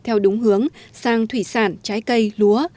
theo đúng hướng sang thủy sản trái cây lúa